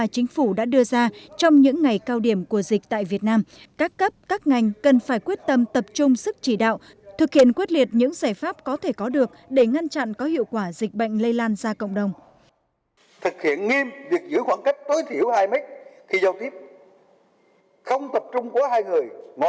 chính phủ đã ra những yêu cầu thiết bằng những chỉ thị cụ thể nhất là hàng thiết yếu vật tư y tế hàng quá xuất khẩu biển đường biển đặc biệt xuất khẩu biển đường biển